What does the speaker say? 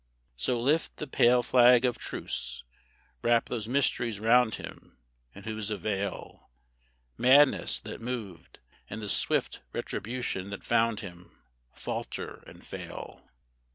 So lift the pale flag of truce, wrap those mysteries round him, In whose avail Madness that moved, and the swift retribution that found him, Falter and fail.